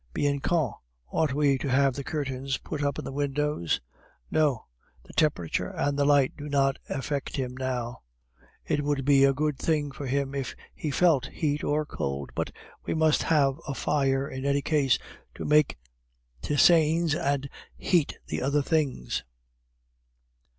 "Bianchon, ought we to have the curtains put up in the windows?" "No, the temperature and the light do not affect him now. It would be a good thing for him if he felt heat or cold; but we must have a fire in any case to make tisanes and heat the other things.